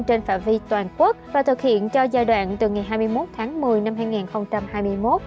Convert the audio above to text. trên phạm vi toàn quốc và thực hiện cho giai đoạn từ ngày hai mươi một tháng một mươi năm hai nghìn hai mươi một